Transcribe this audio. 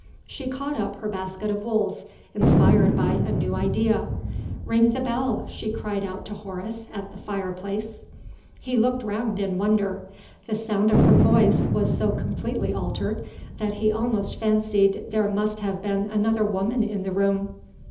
She caught up her basket of wools, inspired by a new idea. "Ring the bell!" she cried out to Horace at the fire place. He looked round in wonder. The sound of her voice was so completely altered that he almost fancied there must have been another woman in the room.